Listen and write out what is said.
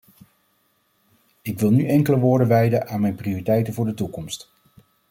Ik wil nu enkele woorden wijden aan mijn prioriteiten voor de toekomst.